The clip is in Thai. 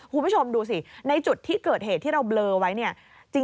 คุณผู้ชมดูสิในจุดที่เกิดเหตุที่เราเบลอไว้เนี่ย